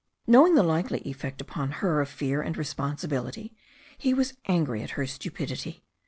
Knowing the likely effect upon her of fear and responsibility, he was angry at her stupidity.